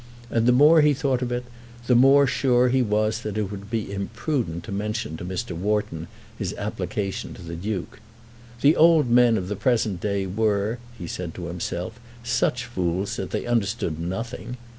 And the more he thought of it the more sure he was that it would be imprudent to mention to Mr. Wharton his application to the Duke. The old men of the present day were, he said to himself, such fools that they understood nothing.